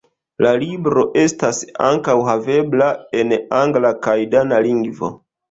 La libro estas ankaŭ havebla en angla kaj dana lingvo.